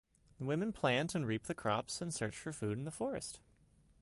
The women plant and reap the crops and search for food in the forest.